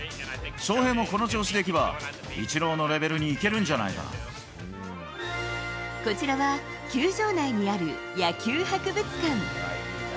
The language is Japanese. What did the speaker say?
翔平もこの調子で行けば、イチローのレベルにいけるんじゃないかこちらは球場内にある野球博物館。